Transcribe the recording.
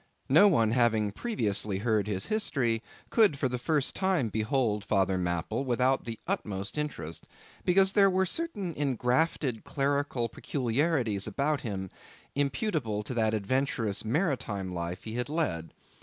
No one having previously heard his history, could for the first time behold Father Mapple without the utmost interest, because there were certain engrafted clerical peculiarities about him, imputable to that adventurous maritime life he had led.